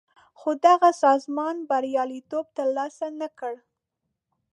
خو دغه سازمان بریالیتوب تر لاسه نه کړ.